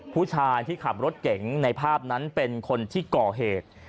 ผู้ชายที่ขับรถเก๋งในภาพนั้นเป็นคนที่ก่อเหตุ